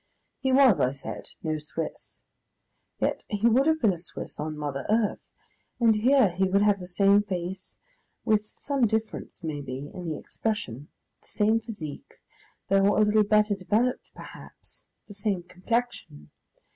He was, I said, no Swiss. Yet he would have been a Swiss on mother Earth, and here he would have the same face, with some difference, maybe, in the expression; the same physique, though a little better developed, perhaps the same complexion.